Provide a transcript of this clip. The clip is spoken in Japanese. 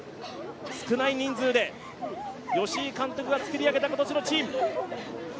少ない人数で吉井監督が作り上げた今年のチーム。